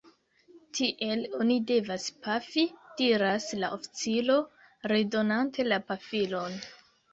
Tiel oni devas pafi, diras la oficiro, redonante la pafilon.